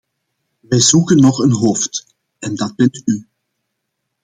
Wij zoeken nog een hoofd, en dat bent u!